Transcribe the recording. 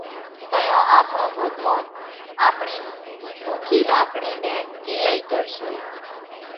تئيون آپڻو ڀڳوونَ آپڻِي ۿُوڪِي لاڪڙِي نئہ نِيلئِي ڪرشي۔